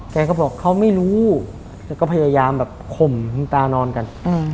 แกก็บอกเขาไม่รู้แกก็พยายามแบบข่มตานอนกัน